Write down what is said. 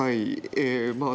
ええまあ